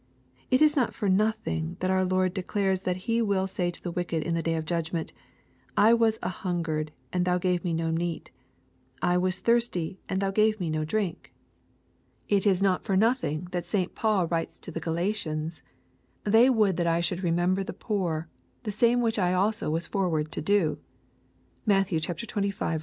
It is not for nothing that our Lord declares that He will say to the wicked in the day of judgment, " I was an hungered and ye gave me no meat ;— I was thirsty and ye gave me no LUKE, CHAP. XIV. ' 155 irink/'— It is not for nothing that St. Paul writes to the Galatians, " They would that I should lemember the poor ; the same which I also was forward to do." (Matt. XXV. 42.